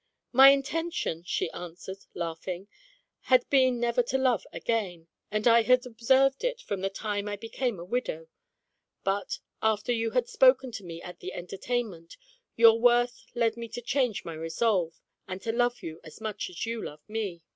" My intention," she answered, laughing, " had been never to love again, and I had observed it from the time I became a widow ; but, after you had spoken to me at the entertainment, your worth led me to change my resolve, and to love you as much as you loved me.